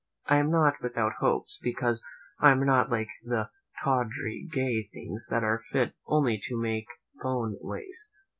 I am not without hopes; because I am not like the tawdry gay things that are fit only to make bone lace.